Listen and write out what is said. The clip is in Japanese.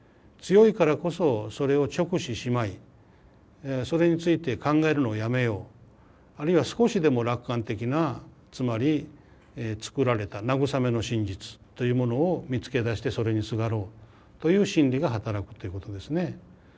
強いからこそそれを直視しまいそれについて考えるのをやめようあるいは少しでも楽観的なつまり作られた慰めの真実というものを見つけ出してそれにすがろうという心理が働くっていうことですね。